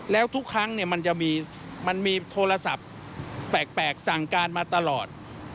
แล้วทุกครั้งมันจะมีโทรศัพท์แปลกสั่งการมาตลอด